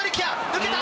抜けた！